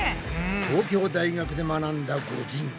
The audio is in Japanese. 東京大学で学んだ御仁。